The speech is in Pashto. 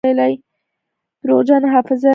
درواغجن حافظه نلري.